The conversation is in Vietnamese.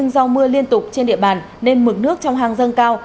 do mưa liên tục trên địa bàn nên mực nước trong hang dâng cao